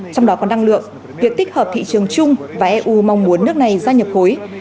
trong đó có năng lượng việc tích hợp thị trường chung và eu mong muốn nước này gia nhập khối